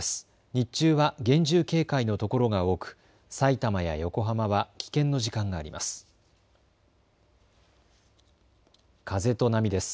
日中は厳重警戒の所が多く、さいたまや横浜は危険の時間があります。